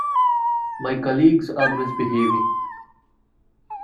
My colleagues are misbehaving.